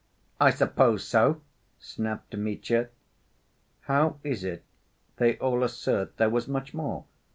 "I suppose so," snapped Mitya. "How is it they all assert there was much more?"